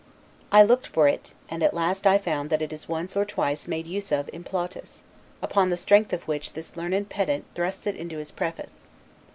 I looked for it: and at last I found that it is once or twice made use of in Plautus, upon the strength of which this learned pedant thrusts it into his preface.